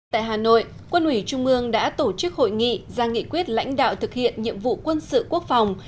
tại hà nội quân ủy trung ương đã tổ chức hội nghị ra nghị quyết lãnh đạo thực hiện nhiệm vụ quân sự quốc phòng